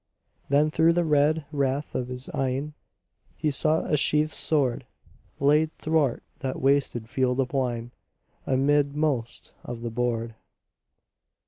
Then through the red wrath of his eyne He saw a sheathed sword, Laid thwart that wasted field of wine, Amidmost of the board.